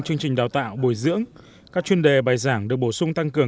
chương trình đào tạo bồi dưỡng các chuyên đề bài giảng được bổ sung tăng cường